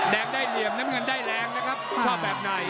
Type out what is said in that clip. แดงได้เหลี่ยมน้ำเงินได้แรงนะครับชอบแบบไหน